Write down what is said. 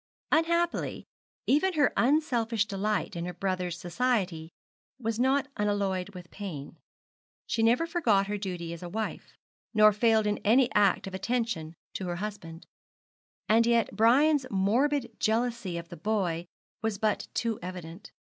Unhappily, even her unselfish delight in her brother's society was not unalloyed with pain. She never forgot her duty as a wife, nor failed in any act of attention to her husband. And yet Brian's morbid jealousy of the boy was but too evident.